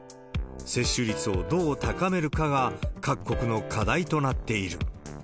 接種率をどう高めるかが、各国の課題となっている。